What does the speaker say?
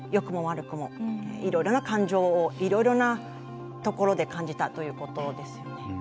いろいろな感情をいろいろなところで感じたということですね。